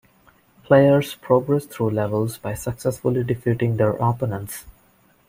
Players progress through levels by successfully defeating their opponent.